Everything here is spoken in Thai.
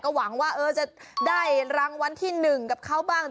หวังว่าจะได้รางวัลที่๑กับเขาบ้าง